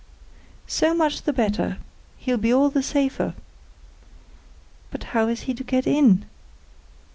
"So much the better. He'll be all the safer." "But how is he to get in?"